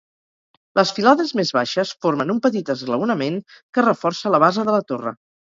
Les filades més baixes formen un petit esglaonament que reforça la base de la torre.